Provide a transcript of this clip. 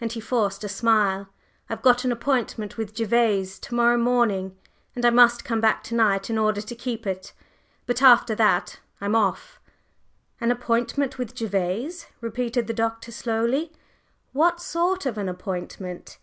And he forced a smile. "I've got an appointment with Gervase to morrow morning, and I must come back to night in order to keep it but after that I'm off." "An appointment with Gervase?" repeated the Doctor, slowly. "What sort of an appointment?"